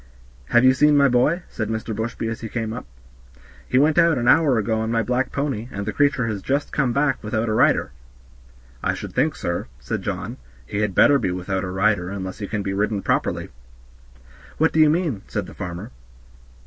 "Have you seen my boy?" said Mr. Bushby as we came up; "he went out an hour ago on my black pony, and the creature is just come back without a rider." "I should think, sir," said John, "he had better be without a rider, unless he can be ridden properly." "What do you mean?" said the farmer.